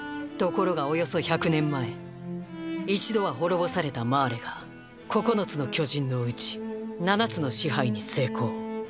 ところがおよそ１００年前一度は滅ぼされたマーレが九つの巨人のうち七つの支配に成功。